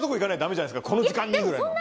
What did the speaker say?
「この時間に！」ぐらいの。